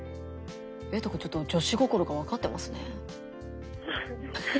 えいとくんちょっと女子心が分かってますね。